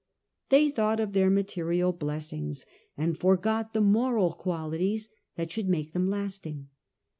They thought of their material blessings, and forgot the moral qualities that should make them lasting.